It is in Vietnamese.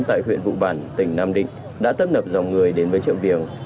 tại huyện vũ bản tỉnh nam định đã tấp nập dòng người đến với chợ viêng